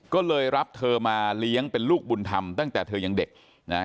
ก็เลยรับเธอมาเลี้ยงเป็นลูกบุญธรรมตั้งแต่เธอยังเด็กนะฮะ